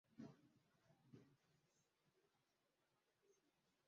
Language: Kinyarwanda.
nsigarana na mama murugo twembi gusa.